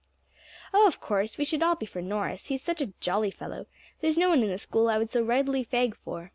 "Oh, of course, we should all be for Norris, he is such a jolly fellow; there is no one in the School I would so readily fag for.